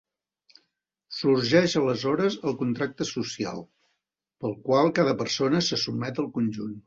Sorgeix aleshores el contracte social, pel qual cada persona se sotmet al conjunt.